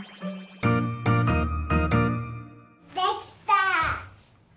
できた！